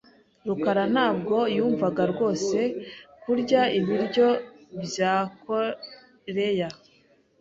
rukara ntabwo yumvaga rwose kurya ibiryo bya koreya .